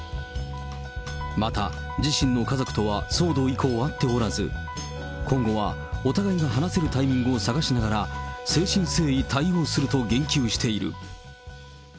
また、自身の家族とは騒動以降、会っておらず、今後は、お互いの話せるタイミングを探しながら、誠心誠意対応すると言及している。